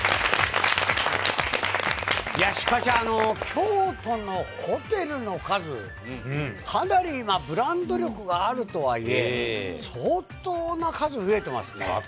しかし、京都のホテルの数、かなりまあ、ブランド力があるとはいえ、相当な数、増えてますね。